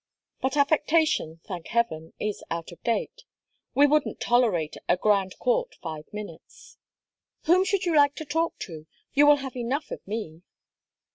But affectation, thank heaven, is out of date. We wouldn't tolerate a Grandcourt five minutes. Whom should you like to talk to? You will have enough of me."